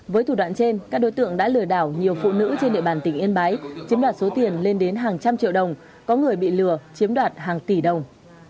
với thủ đoạn trên các đối tượng đã lừa đảo nhiều phụ nữ trên địa bàn tỉnh yên bái chiếm đoạt số tiền lên đến hàng trăm triệu đồng có người bị lừa chiếm đoạt hàng tỷ đồng